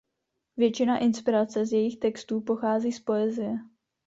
Většina inspirace z jejích textů pochází z poezie.